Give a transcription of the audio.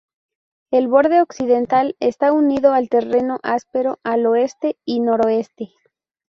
El borde occidental está unido al terreno áspero al oeste y noroeste.